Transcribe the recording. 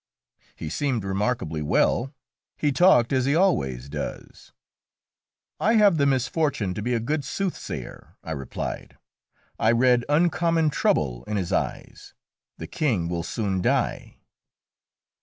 "He seemed remarkably well; he talked as he always does." "I have the misfortune to be a good soothsayer," I replied. "I read uncommon trouble in his eyes. The King will soon die."